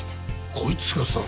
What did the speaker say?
こいつがさ。